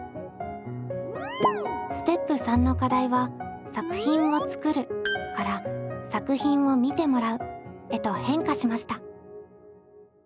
ステップ３の課題は「作品を作る」から「作品を見てもらう」へと変化しました。